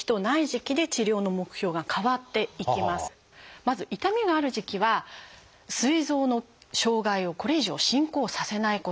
まず痛みがある時期はすい臓の障害をこれ以上進行させないこと。